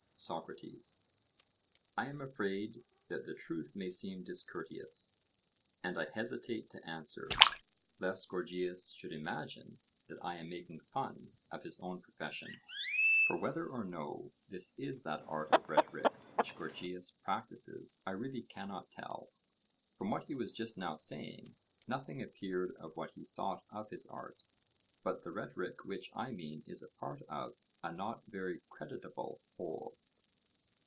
SOCRATES: I am afraid that the truth may seem discourteous; and I hesitate to answer, lest Gorgias should imagine that I am making fun of his own profession. For whether or not this is that art of rhetoric which Gorgias practises I really cannot tell:—from what he was just now saying, nothing appeared of what he thought of his art, but the rhetoric which I mean is a part of a not very creditable whole.